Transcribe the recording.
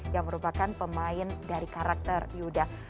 yang merupakan pemain dari karakter yuda